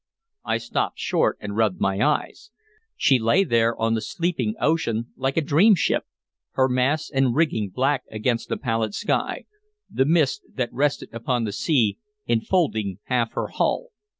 I stopped short and rubbed my eyes. She lay there on the sleeping ocean like a dream ship, her masts and rigging black against the pallid sky, the mist that rested upon the sea enfolding half her hull.